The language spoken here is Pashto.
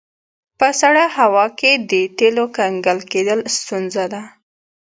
په سړه هوا کې د تیلو کنګل کیدل ستونزه ده